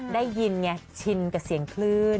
ได้ยินไงชินกับเสียงคลื่น